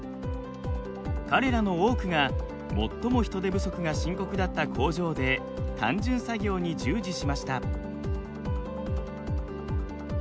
彼らの多くが最も人手不足が深刻だった工場で単純作業に従事しました。